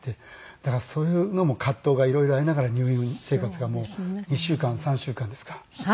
だからそういうのも葛藤が色々ありながら入院生活がもう２週間３週間ですか。